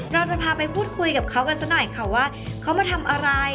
เราจะพาไปพูดคุยกับเขากันสักหน่อยค่ะว่าเขามาทำอะไร